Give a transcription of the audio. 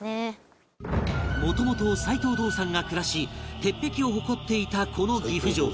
もともと斎藤道三が暮らし鉄壁を誇っていたこの岐阜城